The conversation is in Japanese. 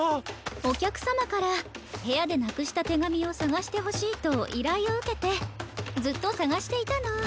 おきゃくさまからへやでなくしたてがみをさがしてほしいといらいをうけてずっとさがしていたの。